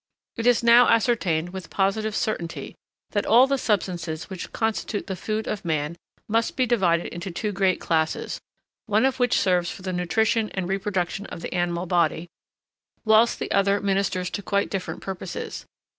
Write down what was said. It is now ascertained with positive certainty, that all the substances which constitute the food of man must be divided into two great classes, one of which serves for the nutrition and reproduction of the animal body, whilst the other ministers to quite different purposes.